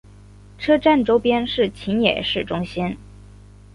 车站周边是秦野市中心。